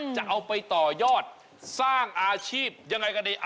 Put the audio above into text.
จะเอาไปต่อยอดสร้างอาชีพยังไงกันดี